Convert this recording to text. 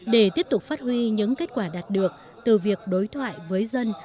để tiếp tục phát huy những kết quả đạt được từ việc đối thoại với dân